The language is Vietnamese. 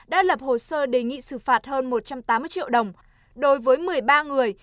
đã lập hồ sơ đề nghị xử phạt hơn một trăm tám mươi triệu đồng đối với một mươi ba người